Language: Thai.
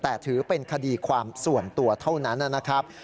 แต่ถือเป็นคดีความส่วนตัวเท่านั้นนะครับ